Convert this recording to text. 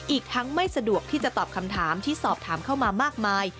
อีกทั้งไม่สะดวกที่จะตอบคำถามที่สอบถามเข้ามามากมาย